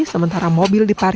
sementara mobil diparik